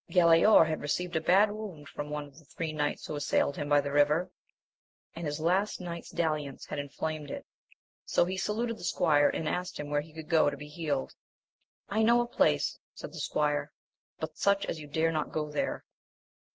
Galaor had received a bad wound from one of the three knights who assailed him by the river, and his last night's dalliance had inflamed it ; so he saluted the squire and asked him where he could go to be healed ? I know a place, said the squire, but such as you dare not go there.